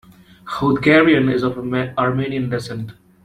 Khoudgarian is of Armenian descent.